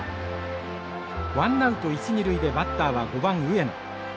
ワンナウト一二塁でバッターは５番上野。